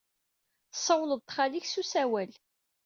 Tessawled d xali-k s usawal.